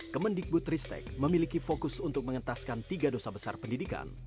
kemendikbud ristek memiliki fokus untuk mengentaskan tiga dosa besar pendidikan